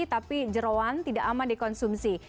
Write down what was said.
tapi jerawan tidak aman dikonsumsi